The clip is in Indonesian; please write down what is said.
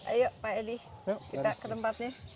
ayo pak edi kita ke tempatnya